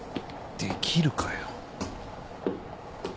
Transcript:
できるかよ。